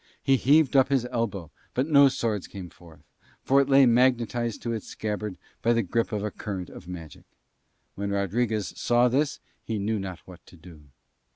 He heaved up his elbow, but no sword came forth, for it lay magnetised to its scabbard by the grip of a current of magic. When Rodriguez saw this he knew not what to do.